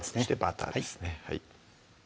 バターですねはい